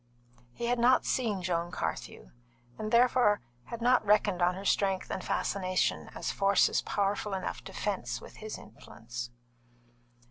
He had not seen Joan Carthew, and therefore had not reckoned on her strength and fascination as forces powerful enough to fence with his influence.